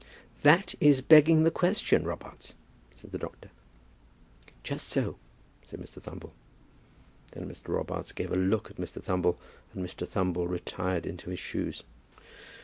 "That is begging the question, Robarts," said the doctor. "Just so," said Mr. Thumble. Then Mr. Robarts gave a look at Mr. Thumble, and Mr. Thumble retired into his shoes.